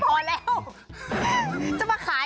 เดี๋ยวพอแล้ว